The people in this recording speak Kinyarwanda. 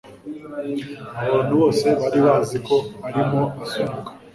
Abantu bose bari bazi ko arimo asunika.